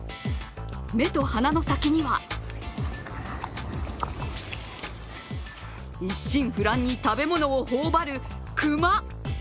目と鼻の先には一心不乱に食べ物を頬張る熊。